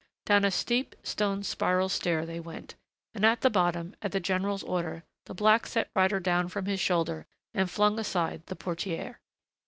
Down a steep, stone spiral stair they went, and at the bottom, at the general's order, the black set Ryder down from his shoulder and flung aside the portière.